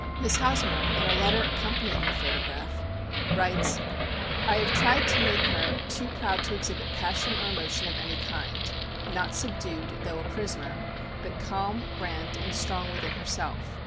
Miss Hosmer, in a letter accompanying the photograph, writes; В«I have tried to make her too proud to exhibit passion or emotion of any kind; not subdued, though a prisoner; but calm, grand, and strong within her self.